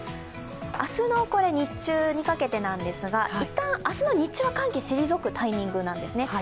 明日の日中にかけてなんですが、一旦、明日の日中は寒気が退くタイミングなんですね。